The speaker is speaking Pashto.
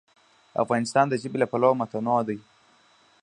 افغانستان د ژبې له پلوه متنوع دی.